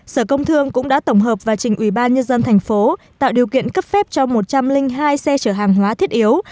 sở công thương cũng đã tổng hợp và trình ủy ban nhân dân thành phố tạo điều kiện cấp phép cho một trăm linh hai xe chở hàng hóa thiết yếu